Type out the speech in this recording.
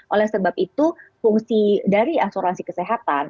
oleh sebab itu fungsi dari asuransi kesehatan